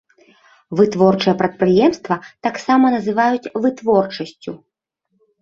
Вытворчае прадпрыемства таксама называюць вытворчасцю.